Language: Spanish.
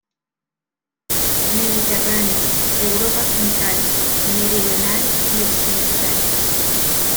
Mediterráneo, Europa central, meridional y occidental.